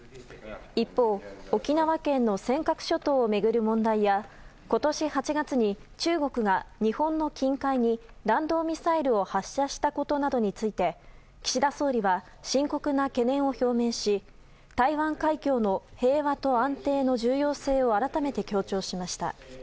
一方沖縄県の尖閣諸島を巡る問題や今年８月に中国が日本の近海に弾道ミサイルを発射したことなどについて岸田総理は深刻な懸念を表明し台湾海峡の平和と安定の重要性を改めて強調しました。